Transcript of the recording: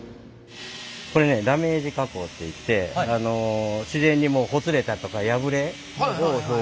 これダメージ加工っていって自然にほつれたりとか破れを表現してる。